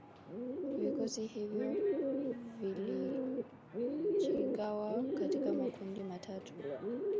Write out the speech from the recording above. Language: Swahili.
Vikosi hivyo vilijigawa katika makundi matatu